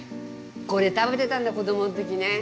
これ食べてたんだ、子供のときね。